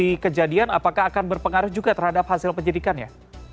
lokasi kejadian apakah akan berpengaruh juga terhadap hasil penyelidikannya